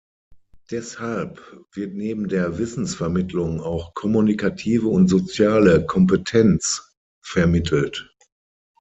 Deshalb wird neben der Wissensvermittlung auch kommunikative und soziale Kompetenzen vermittelt.